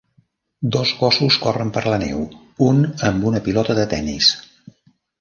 Dos gossos corren per la neu, un amb una pilota de tennis.